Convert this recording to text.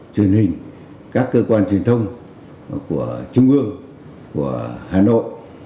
truyền hình các cơ quan truyền thông của trung ương của hà nội